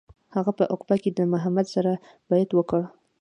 هغه په عقبه کې له محمد سره بیعت وکړ.